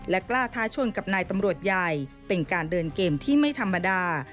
กล้าท้าชนกับนายตำรวจใหญ่เป็นการเดินเกมที่ไม่ธรรมดา